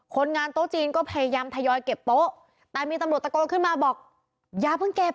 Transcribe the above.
คนงานโต๊ะจีนก็พยายามทยอยเก็บโต๊ะแต่มีตำรวจตะโกนขึ้นมาบอกอย่าเพิ่งเก็บ